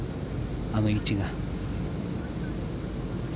あの位置が。